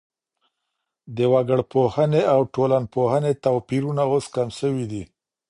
د وګړپوهني او ټولنپوهني توپيرونه اوس کم سوي دي.